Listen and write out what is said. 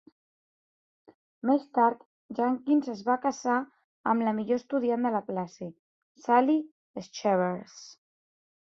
Més tard, Junkins es va casar amb la millor estudiant de la classe, Sally Schevers.